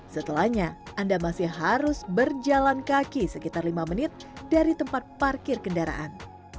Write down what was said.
setelahnya anda masih harus berjalan kaki sekitar lima menit dari tempat parkir kendaraan